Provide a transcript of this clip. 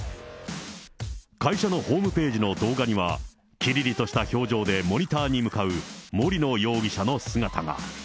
会社のホームページの動画には、きりりとした表情でモニターに向かう森野容疑者の姿が。